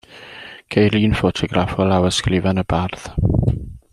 Ceir un ffotograff o lawysgrifen y bardd.